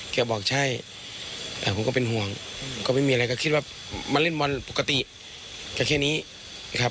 แกบอกใช่ผมก็เป็นห่วงก็ไม่มีอะไรก็คิดว่ามาเล่นบอลปกติจะแค่นี้นะครับ